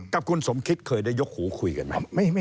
กับคุณสมคิตเคยได้ยกหูคุยกันไหม